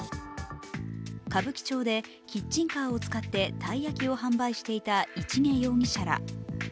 歌舞伎町でキッチンカーを使ってたい焼きを販売していた市毛容疑者ら。